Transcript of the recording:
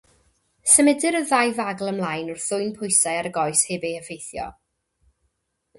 Symudir y ddau fagl ymlaen wrth ddwyn pwysau ar y goes heb ei heffeithio.